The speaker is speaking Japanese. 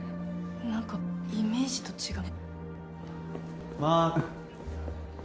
なんかイメージと違うね。